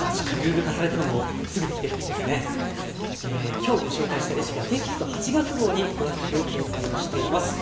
今日ご紹介したレシピはテキスト８月号に詳しく掲載をしています。